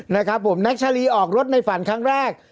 นะครับผมแน็กชาลีออกรถในฝันครั้งแรก